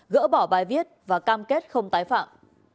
gỡ bỏ bài viết và cam kết không tái phạm